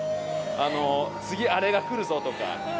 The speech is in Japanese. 次あれが来るぞとか。